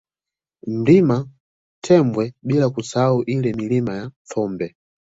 Mlima Tembwe bila kusahau ile Milima ya Thombe